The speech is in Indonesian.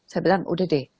saya bilang udah deh